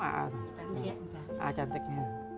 banyak tamu ah cantiknya